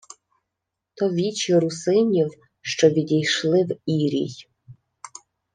— То вічі русинів, що відійшли в ірій.